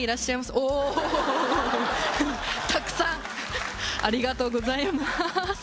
おおたくさんありがとうございます